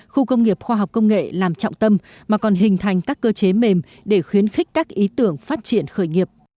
khu công nghiệp khoa học công nghệ làm trọng tâm mà còn hình thành các cơ chế mềm để khuyến khích các ý tưởng phát triển khởi nghiệp